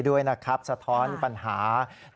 ด้วยสะท้อนปัญหา